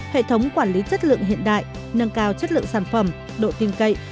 hệ thống quản lý chất lượng hiện đại nâng cao chất lượng sản phẩm độ tin cậy